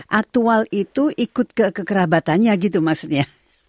jadi aktual itu ikut kekerabatannya gitu maksudnya